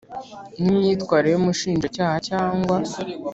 n imyitwarire y Umushinjacyaha cyangwa